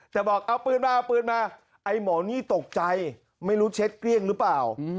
แต่บอกเอาปืนมาเอาปืนมาไอ้หมอนี่ตกใจไม่รู้เช็ดเกลี้ยงหรือเปล่า